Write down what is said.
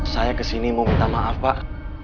saya kesini mau minta maaf pak